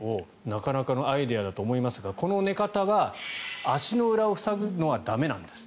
なかなかのアイデアだと思いますがこの寝方は足の裏を塞ぐのは駄目なんです。